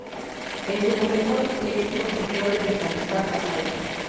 En su momento, Glen consiguió revitalizar la saga.